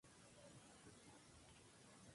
Se enfermó gravemente antes de llegar a Moravia.